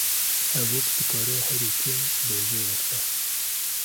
Hevok dikare herî kêm bêjeyek be